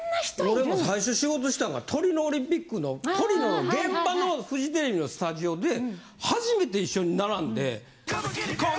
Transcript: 俺も最初仕事したんがトリノオリンピックのトリノの現場のフジテレビのスタジオで初めて一緒に並んで。